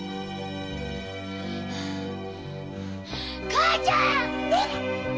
母ちゃん！